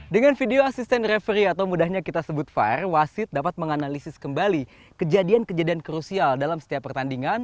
dengan video asisten referee atau mudahnya kita sebut var wasit dapat menganalisis kembali kejadian kejadian krusial dalam setiap pertandingan